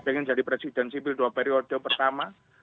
pengen jadi presiden sipil dua periode pertama